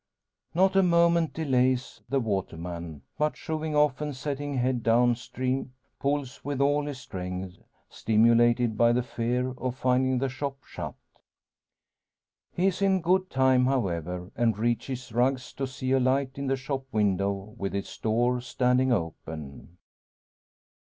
Not a moment delays the waterman; but shoving off, and setting head down stream, pulls with all his strength, stimulated by the fear of finding the shop shut. He is in good time, however; and reaches Rugg's to see a light in the shop window, with its door standing open.